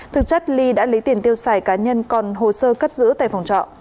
thực chất ly đã lấy tiền tiêu xài cá nhân còn hồ sơ cất giữ tại phòng trọ